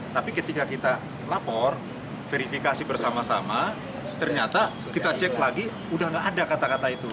tapi ketika kita lapor verifikasi bersama sama ternyata kita cek lagi udah nggak ada kata kata itu